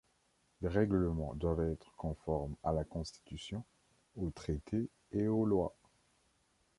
Les règlements doivent être conformes à la Constitution, aux traités et aux lois.